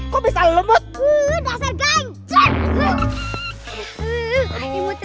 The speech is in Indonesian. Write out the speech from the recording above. kok bisa lembut